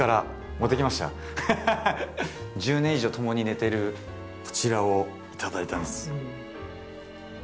１０年以上ともに寝てるこちらを頂いたんです。